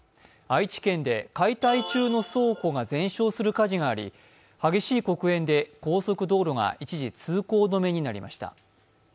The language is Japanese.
愛知県で解体中の倉庫が全焼する火事があり激しい黒煙で高速道路が一時通行止めになりました。